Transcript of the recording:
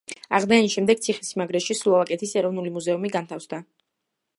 აღდგენის შემდეგ ციხესიმაგრეში სლოვაკეთის ეროვნული მუზეუმი განთავსდა.